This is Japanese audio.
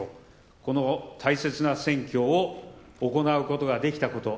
この大切な選挙を行うことができたこと